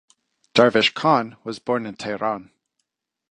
Darvish Khan was born in Tehran.